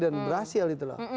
dan berhasil itu loh